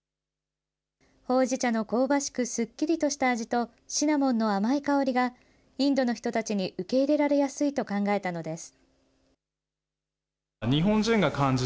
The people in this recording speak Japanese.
ほうじ茶の香ばしくすっきりとした味とシナモンの甘い香りが、インドの人たちに受け入れられやすいと考えたのです。